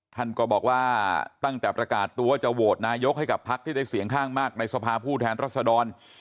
ท่านก็บอกว่าตั้งแต่ประกาศตัวจะโหวตนายกให้กับพักที่ได้เสียงข้างมากในสภาผู้แทนรัศดร